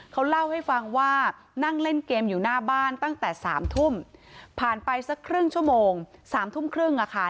เขาเล่าให้ฟังว่านั่งเล่นเกมอยู่หน้าบ้านตั้งแต่๓ทุ่มผ่านไปสักครึ่งชั่วโมง๓ทุ่มครึ่งอะค่ะ